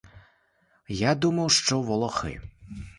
А я думав, що волохи.